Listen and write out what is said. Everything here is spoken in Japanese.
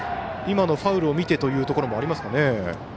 今のファウルを見てというところもありますかね。